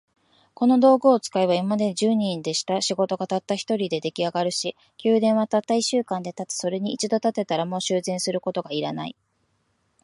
この道具を使えば、今まで十人でした仕事が、たった一人で出来上るし、宮殿はたった一週間で建つ。それに一度建てたら、もう修繕することが要らない。